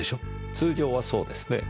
通常はそうですね。